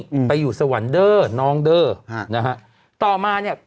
อืมไปอยู่สวรรค์เดอร์น้องเด้อฮะนะฮะต่อมาเนี้ย